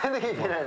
ない！